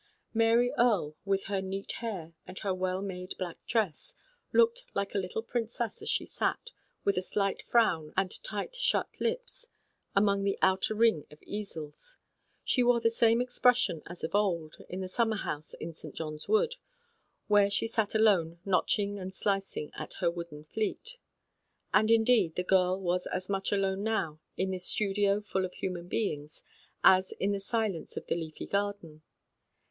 Mary Erie, with her neat hair and her well made black dress, looked like a little princess as she sat, with a slight frown and tight shut lips, among the outer ring of easels. She wore the same expression as of old, in the summerhouse in St. John's Wood, when she sat alone notching and slicing at her wooden fleet. And indeed, the girl was as much alone now, in this studio full of human beings, as in the silence of the leafy garden.